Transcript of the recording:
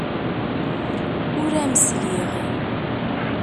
Ur am-sliɣ.